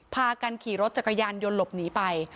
พากันขี่รถจักรยานยนต์หลบหนีไป